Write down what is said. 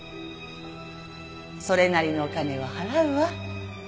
それなりのお金は払うわ。